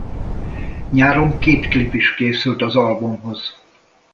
Nyáron két klip is készült az albumhoz.